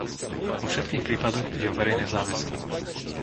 Vo všetkých prípadoch ide o verejné záväzky.